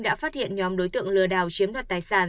đã phát hiện nhóm đối tượng lừa đảo chiếm đoạt tài sản